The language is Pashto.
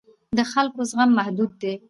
د خلکو زغم محدود دی